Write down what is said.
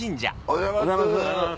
おはようございます。